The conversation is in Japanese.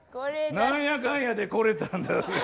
何やかんやで来れたんだぜぇ。